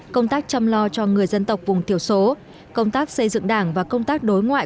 công tác chăm lo cho người dân tộc vùng thiểu số công tác xây dựng đảng và công tác đối ngoại